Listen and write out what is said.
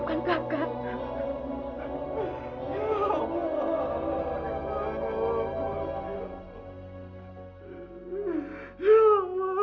bapak udah selesai